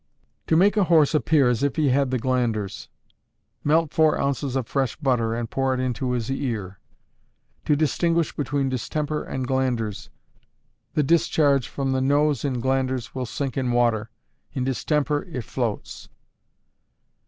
To make a horse appear as if he had the glanders. Melt four ounces of fresh butter and pour it into his ear. To distinguish between distemper and glanders. The discharge from the nose in glanders will sink in water; in distemper it floats.